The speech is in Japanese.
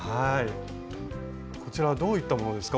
こちらはどういったものですか？